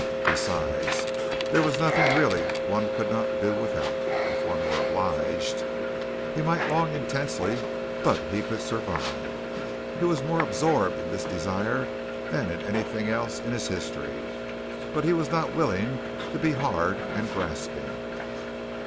Besides, there was nothing really one could not do without, if one were obliged. He might long intensely, but he could survive. He was more absorbed in this desire than in anything else in his history, but he was not willing to be hard and grasping.